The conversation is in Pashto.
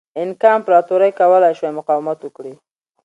اینکا امپراتورۍ کولای شوای مقاومت وکړي.